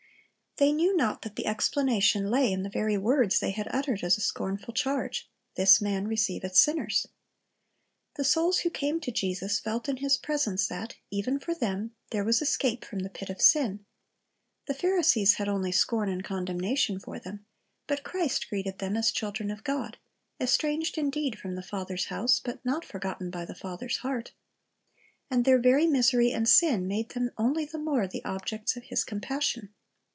They knew not that the explanation lay in the very words they had uttered as a scornful charge, "This man receiveth sinners." The souls who came to Jesus felt in His presence that, even for them, there was escape from the pit of sin. The Pharisees had only scorn and condemnation for them; but Christ greeted them as children of God, estranged indeed from the Father's house, but not forgotten by the Father's heart. And their very misery and sin made them only the more the objects of His compassion.